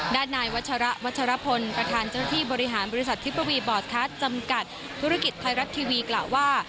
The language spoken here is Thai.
ด้านนายวัชระวัชรพลประธานเจ้าที่บริหารบริษัททิปวีบอร์ดคัสจำกัดธุรกิจไทยรัฐทีวีกล่าวว่า